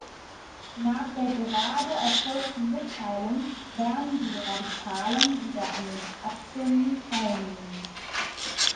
Nach der gerade erfolgten Mitteilung werden die Radikalen wieder an den Abstimmungen teilnehmen.